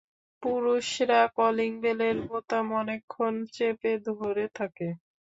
পুরুষরা কলিং বেলের বোতাম অনেকক্ষণ চেপে ধরে থাকে।